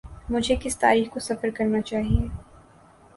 مجھے کس تاریخ کو سفر کرنا چاہیے۔